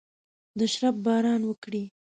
د شرپ باران وکړي